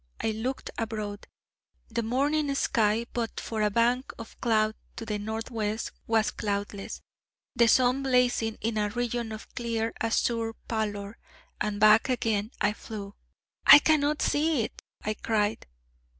I looked abroad. The morning sky, but for a bank of cloud to the north west, was cloudless, the sun blazing in a region of clear azure pallor. And back again I flew. 'I cannot see it...!' I cried.